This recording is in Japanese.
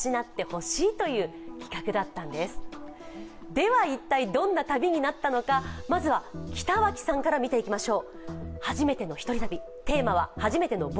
では一体どんな旅になったのか、まずは北脇さんから見ていきましょう。